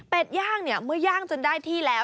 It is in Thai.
เป็นย่างเนี่ยเมื่อย่างจนได้ที่แล้ว